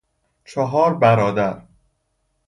چهار برادر